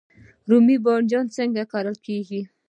رومی بانجان څنګه کرل کیږي؟